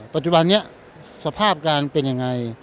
ปัจจุบันนี้สภาพการเป็นยังไง